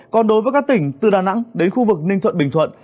còn đối với các tỉnh từ đà nẵng đến khu vực ninh thuận bình thuận